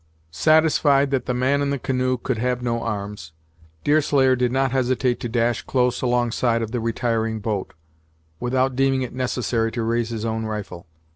Satisfied that the man in the canoe could have no arms, Deerslayer did not hesitate to dash close alongside of the retiring boat, without deeming it necessary to raise his own rifle.